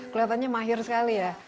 kelihatannya mahir sekali ya